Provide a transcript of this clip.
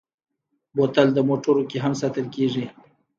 بوتل د موټرو کې هم ساتل کېږي.